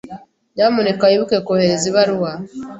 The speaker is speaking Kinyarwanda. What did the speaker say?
Nyamuneka wibuke kohereza ibaruwa.